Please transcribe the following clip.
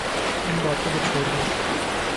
ان باتوں کو چھوڑئیے۔